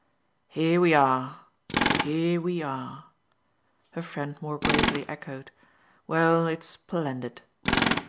"Here we are, here we are!" her friend more gravely echoed. "Well, it's splendid!"